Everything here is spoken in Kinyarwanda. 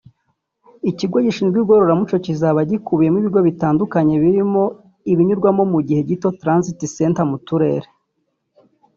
Ikigo gishinzwe igororamuco kizaba gikubiyemo ibigo bitandukanye birimo ibinyurwamo mu gihe gito (Transit centers) mu turere